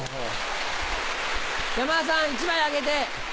山田さん１枚あげて。